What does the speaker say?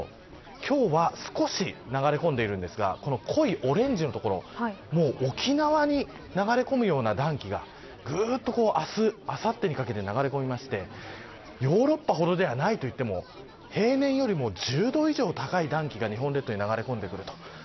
今日は少し流れ込んでいますがこの濃いオレンジの所沖縄に流れ込むような暖気が明日、あさってにかけて流れ込んでヨーロッパほどではないといっても平年よりも１０度以上高い暖気が日本列島に流れ込んできます。